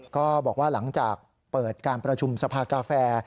ก็บอกว่าหลังจากเปิดการประชุมสภากาแฟ